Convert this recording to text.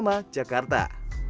es krimnya tersebut